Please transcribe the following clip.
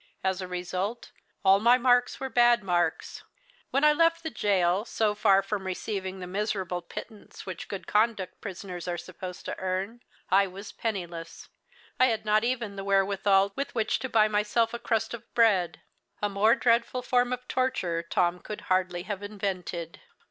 As a result, all my marks were bad marks. When I left the gaol, so far from receiving the miserable pittance which good conduct prisoners are supposed to earn, I was penniless; I had not even the wherewithal with which to buy myself a crust of bread. "A more dreadful form of torture Tom could hardly have invented.